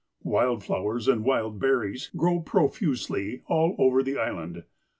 Wild flowers, and wild berries, grow profusely all over the Island.